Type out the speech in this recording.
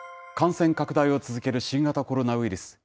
感染拡大を続ける新型コロナウイルス。